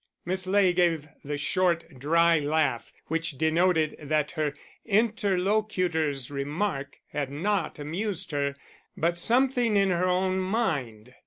Miss Ley gave the short, dry laugh which denoted that her interlocutor's remark had not amused her, but something in her own mind.